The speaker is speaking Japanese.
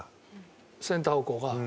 センター方向が。